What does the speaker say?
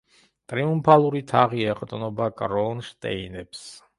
ტრიუმფალური თაღი ეყრდნობა კრონშტეინებს.